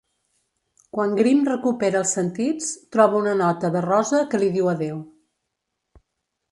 Quan Grimm recupera els sentits, troba una nota de Rosa que li diu adéu.